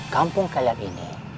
kampung kalian ini